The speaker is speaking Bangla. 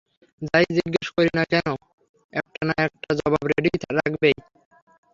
যা-ই জিজ্ঞেস করি না কেন একটা না একটা জবাব রেডি রাখবেই।